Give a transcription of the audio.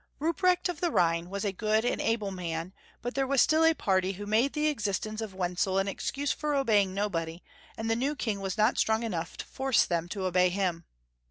RUPRECHT of the Rhine was a good and able man, but there was still a party who made the existence of Wenzel an excuse for obey ing nobody, and the new King was not strong enough to force them to obey him.